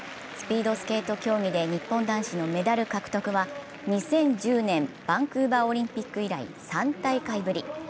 スピードスケート競技で日本男子のメダル獲得は２０１０年バンクーバーオリンピック以来３大会ぶり。